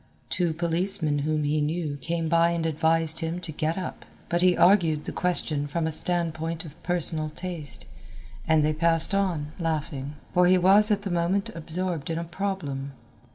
Two policemen whom he knew came by and advised him to get up, but he argued the question from a standpoint of personal taste, and they passed on, laughing. For he was at that moment absorbed in a problem.